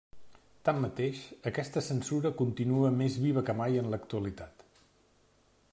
Tanmateix, aquesta censura continua més viva que mai en l'actualitat.